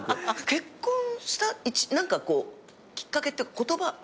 結婚した何かこうきっかけって言葉。